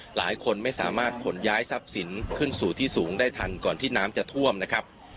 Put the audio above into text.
หลายคนไม่สามารถขนย้ายทรัพย์สินขึ้นสู่ที่สูงได้ทันก่อนที่น้ำจะท่วมนะครับ